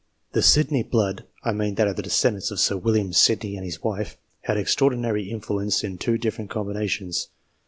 The Sydney blood I mean that of the descendants of Sir William Sydney and his wife had extraordinary influence in two different combinations.